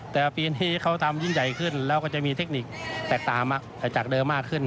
แต่ปีนี้เขาทำยิ่งใหญ่ขึ้นแล้วก็จะมีเทคนิคแตกต่างจากเดิมมากขึ้น